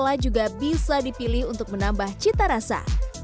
sampai juga bisa dipilih untuk menambah cita rasa